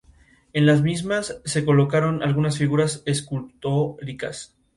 El sistema dunar de esta playa está bastante alterado por la presión humana.